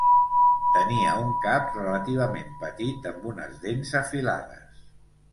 Tenia un cap relativament petit amb unes dents afilades.